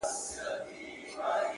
خوند كوي دا دوه اشــــنا’